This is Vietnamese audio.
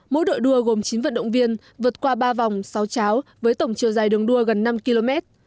mỗi đội đua gồm chín vận động viên vượt qua ba vòng sáu cháo với tổng chiều dài đường đua gần năm km